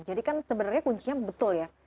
jadi kan sebenarnya kuncinya betul ya